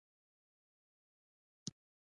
کله چې افغانستان کې ولسواکي وي علما کرام قدر لري.